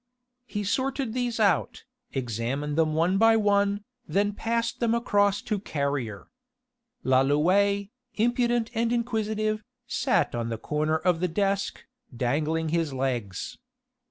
He sorted these out, examined them one by one, then passed them across to Carrier. Lalouët, impudent and inquisitive, sat on the corner of the desk, dangling his legs.